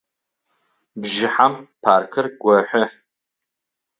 Бжыхьэм паркыр гохьы.